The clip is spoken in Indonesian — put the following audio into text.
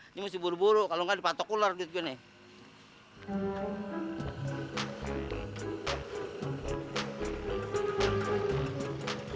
ini mesti buru buru kalau enggak dipatokuler gitu nih